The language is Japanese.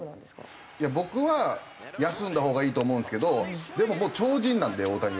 僕は休んだほうがいいと思うんですけどでももう超人なんで大谷は。